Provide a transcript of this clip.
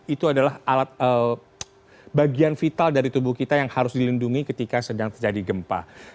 itu adalah alat bagian vital dari tubuh kita yang harus dilindungi ketika sedang terjadi gempa